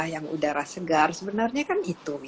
yang udara segar sebenarnya kan itu